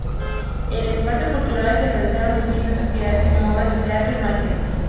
En el espacio cultural se realizan distintas actividades como obras de teatro y magia.